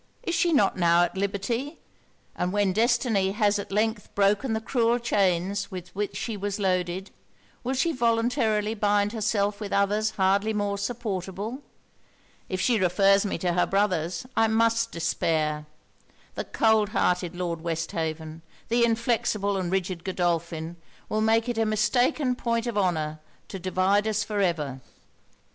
Is she not now at liberty? And when destiny has at length broken the cruel chains with which she was loaded, will she voluntarily bind herself with others hardly more supportable? If she refers me to her brothers, I must despair: the cold hearted Lord Westhaven, the inflexible and rigid Godolphin, will make it a mistaken point of honour to divide us for ever!'